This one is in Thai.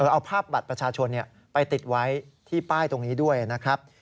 เอาภาพบัตรประชาชนไปติดไว้ที่ป้ายตรงนี้ด้วยนะครับ